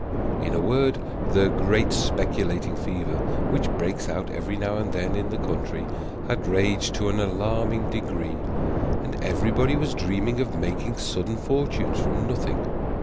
In a word, the great speculating fever which breaks out every now and then in the country had raged to an alarming degree, and everybody was dreaming of making sudden fortunes from nothing.